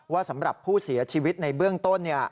สำหรับผู้เสียชีวิตในเบื้องต้น